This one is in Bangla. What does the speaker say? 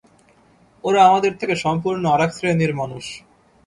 ওঁরা আমাদের থেকে সম্পূর্ণ আর-এক শ্রেণীর মানুষ।